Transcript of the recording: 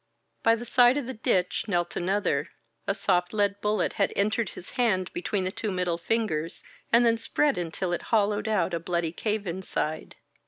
By the side of the ditch knelt another, A soft lead bullet had entered his hand between the two middle fingers and then spread until it hollowed out a bloody cave inside.